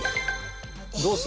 どうする？